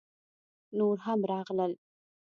_نور هم راغلل!